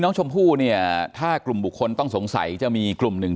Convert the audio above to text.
น้องชมพู่เนี่ยถ้ากลุ่มบุคคลต้องสงสัยจะมีกลุ่มหนึ่ง